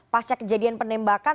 pasca kejadian penembakan